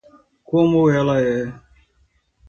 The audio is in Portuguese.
Como ela é?